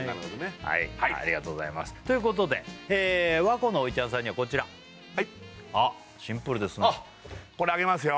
はいありがとうございますということで和杏のおいちゃんさんにはこちらはいあっこれあげますよ